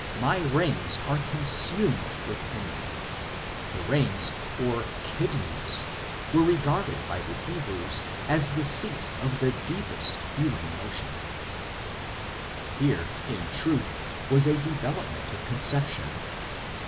" My reins are consumed within me" ; the "reins," or "kid neys," were regarded by the Hebrews as the seat of the deepest human emotion]. Here, in truth, was a development of conception.